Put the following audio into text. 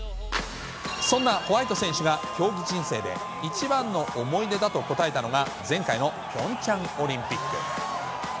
そんなホワイト選手が競技人生で一番の思い出だと答えたのが、前回のピョンチャンオリンピック。